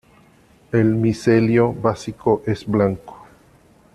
El micelio básico es blanco.